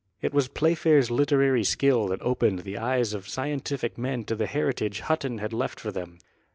It was Playfair's literary skill that opened the eyes of scientific men to the heritage Hutton had left for them.